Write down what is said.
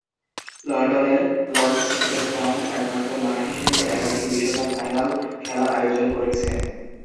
লন্ডনের Lord's cricket ground একমাত্র মাঠ হিসেবে একাধিক বিশ্বকাপ ফাইনাল খেলা আয়োজন করেছে।